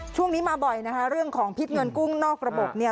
ช่วงนี้มาบ่อยนะคะเรื่องของพิษเงินกู้นอกระบบเนี่ย